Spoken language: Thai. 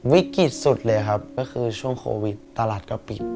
วิกฤตสุดเลยครับก็คือช่วงโควิดตลาดก็ปิด